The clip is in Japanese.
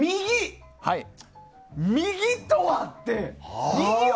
「右」とはって？